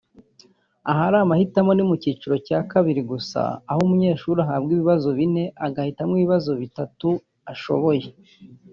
Ahari amahitamo ni mu cyiciro cya kabiri gusa aho umunyeshuri ahabwa ibibazo bine agahitamo ibibazo bitatu ashoboye